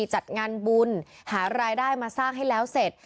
จัดงานบุญหารายได้มาสร้างให้แล้วเสร็จ